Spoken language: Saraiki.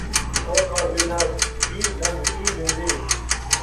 اوکھا ویلھا وی لنگھ ءِی ویندے